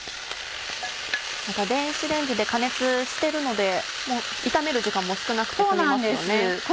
電子レンジで加熱してるのでもう炒める時間も少なくて済みますよね。